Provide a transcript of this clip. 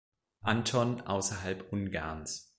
Anton außerhalb Ungarns.